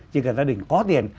chỉ cần gia đình có tiền